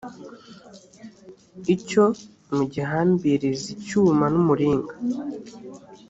icyo mugihambirize icyuma n’umuringa